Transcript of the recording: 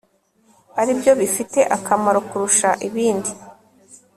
ari byo bifite akamaro kurusha ibindi